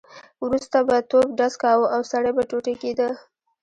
وروسته به توپ ډز کاوه او سړی به ټوټې کېده.